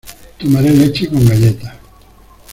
Tomaré leche con galletas.